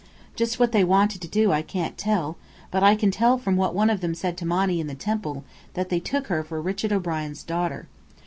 Just what they wanted to do I can't tell, but I can tell from what one of them said to Monny in the temple, that they took her for Richard O'Brien's daughter.